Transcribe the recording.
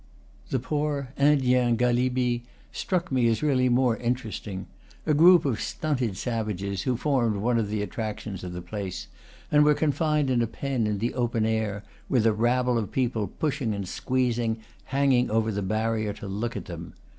The poor "Indiens Galibis" struck me as really more interesting, a group of stunted savages who formed one of the attractions of the place, and were confined in a pen in the open air, with a rabble of people pushing and squeezing, hanging over the barrier, to look at them.